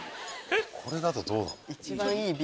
これだとどうなるんだ？